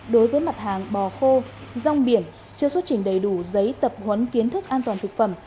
đối với mặt hàng bò khô rong biển chưa xuất trình đầy đủ giấy tập huấn kiến thức an toàn thực phẩm